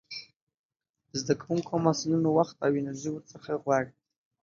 د زده کوونکو او محصلينو وخت او انرژي ورڅخه غواړي.